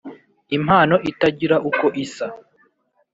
impano itagira uko isa